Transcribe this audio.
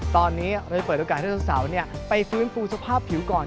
ตอนนี้เราจะเปิดโอกาสให้สาวสาวเนี่ยไปฟื้นฟูสภาพผิวก่อน